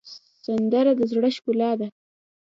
سندره د زړه ښکلا ده